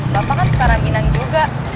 bapak kan sekarang inang juga